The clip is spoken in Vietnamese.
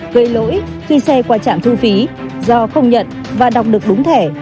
gây lỗi khi xe qua trạm thu phí do không nhận và đọc được đúng thẻ